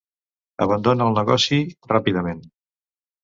Abandona el negoci ràpidament.